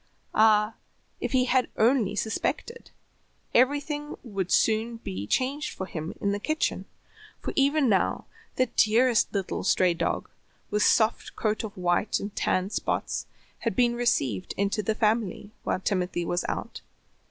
Ah, if he only had suspected, everything would soon be changed for him in the kitchen, for even now the dearest little stray dog, with soft coat of white and tan spots, had been received into the family while Timothy was out.